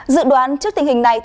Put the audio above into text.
dự đoán trước tình hình này